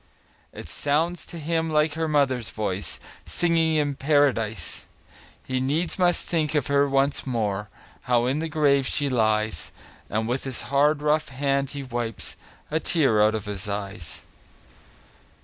It sounds to him like her mother's voice, Singing in Paradise! He needs must think of her once more, How in the grave she lies; And with his hard, rough hand he wipes A tear out of his eyes.